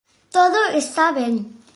Todo está ben.